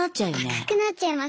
高くなっちゃいます。